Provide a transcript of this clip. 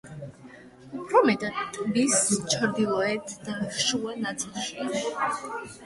უფრო მეტად ტბის ჩრდილოეთ და შუა ნაწილშია.